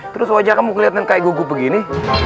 terus wajah kamu kelihatan kayak gogo begini